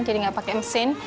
jadi tidak pakai mesin